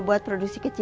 aku mau suruh